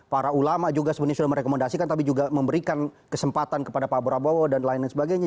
para ulama juga sebenarnya sudah merekomendasikan tapi juga memberikan kesempatan kepada pak prabowo dan lain lain sebagainya